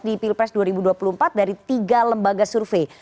di pilpres dua ribu dua puluh empat dari tiga lembaga survei